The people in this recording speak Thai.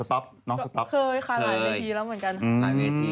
เคยค่ะหลายเวทีแล้วเหมือนกัน